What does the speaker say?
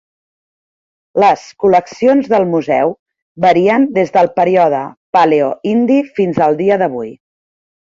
Les col·leccions del Museu varien des del període paleo-indi fins al dia d'avui.